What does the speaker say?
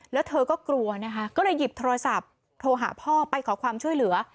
แล้วเธอก็กลัวนะคะก็เลยหยิบโทรศัพท์โทรหาพ่อไปขอความช่วยเหลือ